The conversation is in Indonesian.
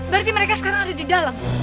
berarti mereka sekarang ada di dalam